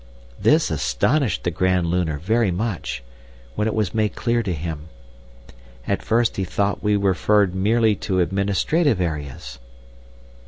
This astonished the Grand Lunar very much, when it was made clear to him. At first he thought we referred merely to administrative areas.